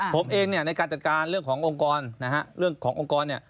ผมเองในการจัดการเรื่องขององค์กร